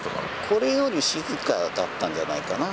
これより静かだったんじゃないかな。